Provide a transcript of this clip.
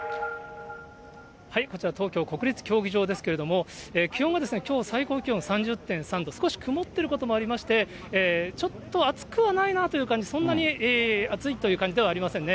こちら、東京・国立競技場ですけれども、気温はきょう最高気温３０．３度、少し曇ってることもありまして、ちょっと暑くはないなという感じ、そんなに暑いという感じではありませんね。